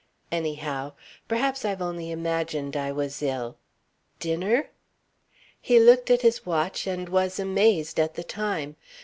Anyhow ... Perhaps I've only imagined I was ill.... Dinner?" He looked at his watch and was amazed at the time.